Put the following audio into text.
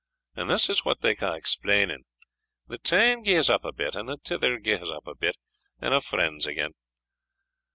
And this is what they ca' explaining the tane gies up a bit, and the tither gies up a bit, and a' friends again.